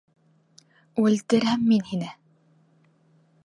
Үлтерәм мин һине...